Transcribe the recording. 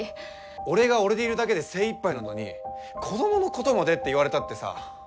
俺が俺でいるだけで精いっぱいなのに子どものことまでって言われたってさ。